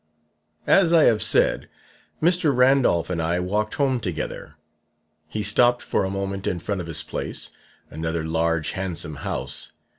"As I have said, Mr. Randolph and I walked home together. He stopped for a moment in front of his place. Another large, handsome house.